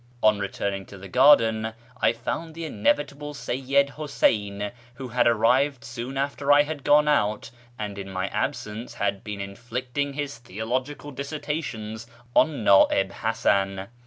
On returning to the garden I found the inevitable Seyyid Huseyn, who had arrived soon after I had gone out, and, in my absence, had been inflicting his theological dissertations on Nci'ib Hasan.